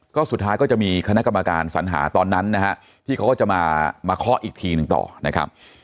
ก็สุดท้ายก็จะมีคณะกรรมการสัญหาตอนนั้นนะฮะที่เขาก็จะมาเคาะอีกทีหนึ่งต่อนะครับ